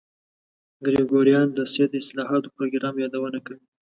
ګریګوریان د سید د اصلاحاتو پروګرام یادونه کوي.